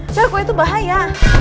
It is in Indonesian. soalnya kue itu bahaya